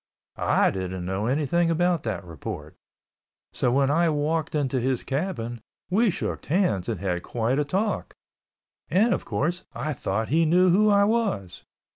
I didn't know anything about that report. So when I walked into his cabin we shook hands and had quite a talk—and, of course I thought he knew who I was.